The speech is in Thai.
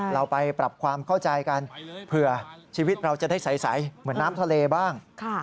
เราไปปรับความเข้าใจกันเผื่อชีวิตเราจะได้ใสเหมือนน้ำทะเลบ้าง